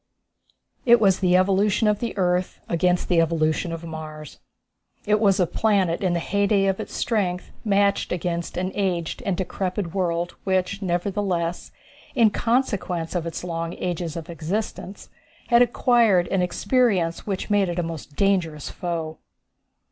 It was the evolution of the earth against the evolution of Mars. It was a planet in the heyday of its strength matched against an aged and decrepit world which, nevertheless, in consequence of its long ages of existence, had acquired an experience which made it a most dangerous foe.